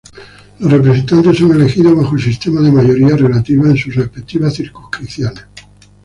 Los representantes son elegidos bajo el sistema de mayoría relativa en sus respectivas circunscripciones.